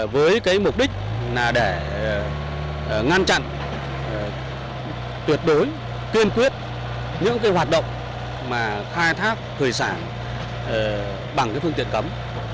với mục đích là để ngăn chặn tuyệt đối kiên quyết những hoạt động khai thác thủy sản bằng phương tiện cấm